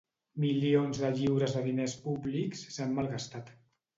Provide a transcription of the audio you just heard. Milions de lliures de diners públics s'han malgastat.